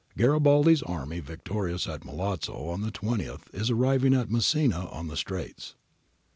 [Garibaldi's army, victorious at Milazzo on the 20th, is arriving at Messina on the Straits.